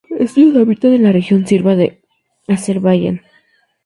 Ellos habitan en la región Shirvan de Azerbaiyán.